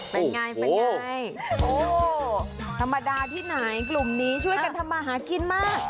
เป็นไงเป็นไงโอ้ธรรมดาที่ไหนกลุ่มนี้ช่วยกันทำมาหากินมาก